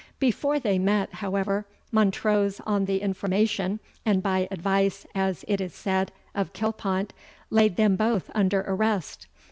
Before they met, however, Montrose, on the information and by advice, as it is said, of Kilpont, laid them both under arrest.